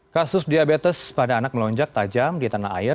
kasus diabetes pada anak melonjak tajam di tanah air